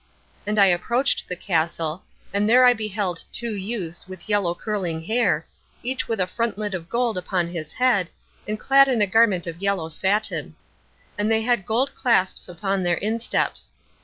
And I approached the castle, and there I beheld two youths with yellow curling hair, each with a frontlet of gold upon his head, and clad in a garment of yellow satin; and they had gold clasps upon their insteps.